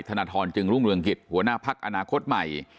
ธนทรจึงรุ่งเรืองกิจหัวหน้าพักอนาคตใหม่